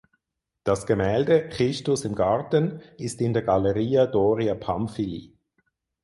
Das Gemälde "Christus im Garten" ist in der Galleria Doria Pamphilj.